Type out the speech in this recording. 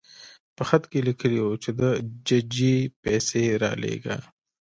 په خط کې لیکلي وو چې د ججې پیسې رالېږه.